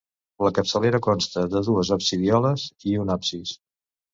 La capçalera consta de dues absidioles i un absis.